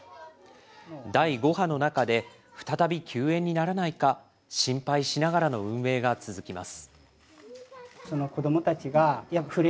第５波の中で、再び休園にならないか、心配しながらの運営が続きます。